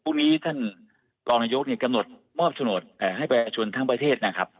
พรุ่งนี้ท่านรองนายกกำหนดมอบโฉนดให้ประชาชนทั้งประเทศนะครับ